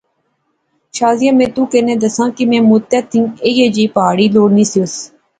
شازیہ میں تو کنے دساں کہ میں مدتیں تھی ایہھے جئی پہاوی لوڑنی سیوس